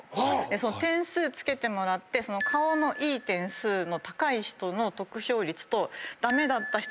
その点数つけてもらって顔のいい点数の高い人の得票率と駄目だった人の。